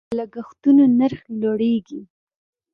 د لګښتونو نرخ لوړیږي.